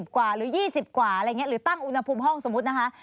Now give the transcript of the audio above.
กว่าหรือ๒๐กว่าอะไรอย่างนี้หรือตั้งอุณหภูมิห้องสมมุตินะคะ